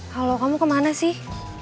halo kamu kemana sih